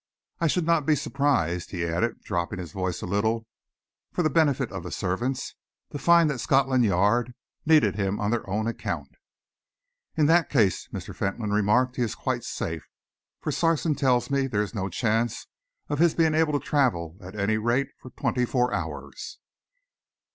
I should not be surprised," he added, dropping his voice a little for the benefit of the servants, "to find that Scotland Yard needed him on their own account." "In that case," Mr. Fentolin remarked, "he is quite safe, for Sarson tells me there is no chance of his being able to travel, at any rate for twenty four hours."